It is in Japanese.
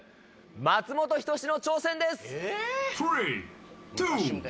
松本人志の挑戦です！